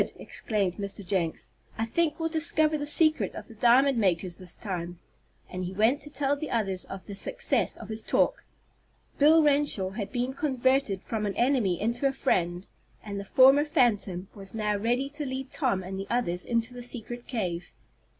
exclaimed Mr. Jenks. "I think we'll discover the secret of the diamond makers this time," and he went to tell the others of the success of his talk. Bill Renshaw had been converted from an enemy into a friend, and the former phantom was now ready to lead Tom and the others into the secret cave.